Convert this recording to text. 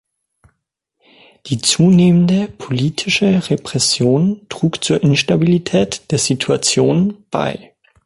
Die zunehmende politische Repression trug zur Instabilität der Situation bei.